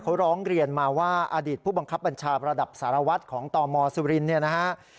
เขาร้องเรียนมาว่าอดีตผู้บังคับบัญชาประดับสารวัตรของตมสุรินเนี่ยนะฮะ